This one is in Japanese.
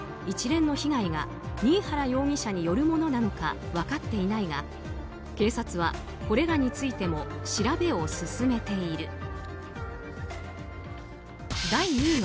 一連の被害が新原容疑者によるものなのか分かっていないが警察はこれらについても調べを進めている。